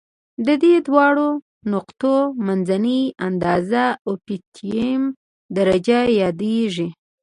د دې دواړو نقطو منځنۍ اندازه اؤپټیمم درجه یادیږي.